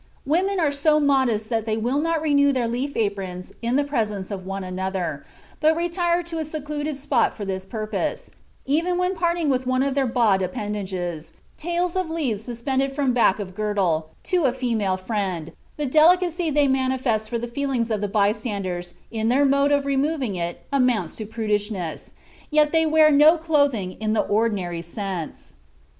"Women are so modest that they will not renew their leaf aprons in the presence of one another, but retire to a secluded spot for this purpose; even when parting with one of their bod appendages [tails of leaves suspended from back of girdle] to a female friend, the delicacy they manifest for the feelings of the bystanders in their mode of removing it amounts to prudishness; yet they wear no clothing in the ordinary sense."